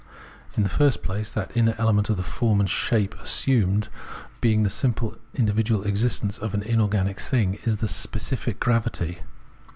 In the first place, that inner element of the form and shape assumed, being the simple individual existence of an inorganic thing, is the specific gravity.